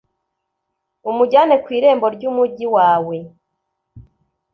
umujyane ku irembo ry’umugi wawe,